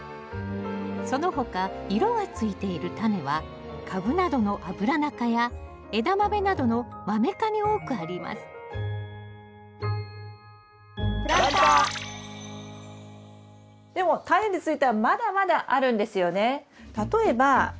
その他色がついているタネはカブなどのアブラナ科やエダマメなどのマメ科に多くありますでもタネについてはまだまだあるんですよね。